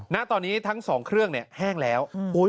ณตอนนี้ทั้งสองเครื่องเนี่ยแห้งแล้ว